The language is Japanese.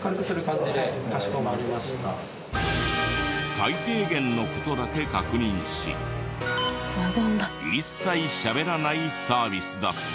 最低限の事だけ確認し一切しゃべらないサービスだった。